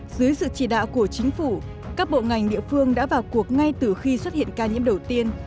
dưới sự chỉ đạo của chính phủ các bộ ngành địa phương đã vào cuộc ngay từ khi xuất hiện ca nhiễm đầu tiên